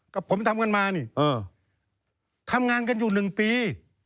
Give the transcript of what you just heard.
กับผมทำกันมานี่ทำงานกันอยู่๑ปี